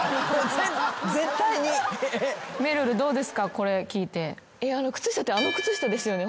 これ聞いて。